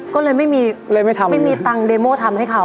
ก็เลยไม่มีตังเดโม่ทำให้เขา